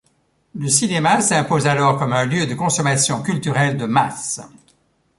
Le cinéma s'impose alors comme un lieu de consommation culturelle de masse.